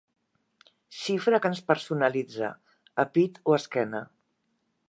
Xifra que ens personalitza, a pit o esquena.